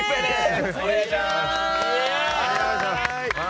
お願いします。